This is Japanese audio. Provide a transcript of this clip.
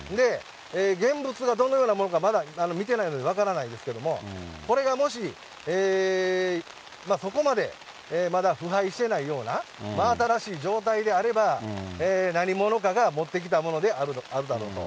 現物がどのようなものかまだ見てないので、分からないですけども、これがもし、そこまでまだ腐敗してないような真新しい状態であれば、何者かが持ってきたものであるだろうと。